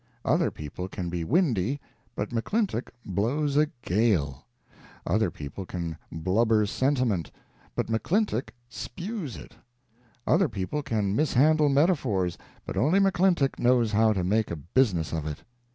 Other people can be windy, but McClintock blows a gale; other people can blubber sentiment, but McClintock spews it; other people can mishandle metaphors, but only McClintock knows how to make a business of it.